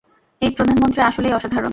এই প্রধানমন্ত্রী আসলেই অসাধারণ!